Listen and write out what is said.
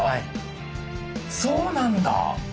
そうなんだ。